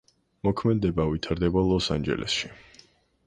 მოქმედება ვითარდება ლოს-ანჯელესში.